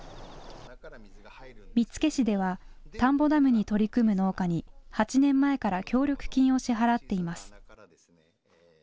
見附市では田んぼダムに取り組む農家に８年前から協力金を支払っています。